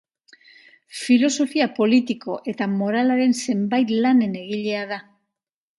Filosofia politiko eta moralaren zenbait lanen egilea da.